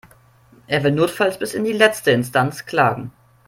Er will notfalls bis in die letzte Instanz klagen.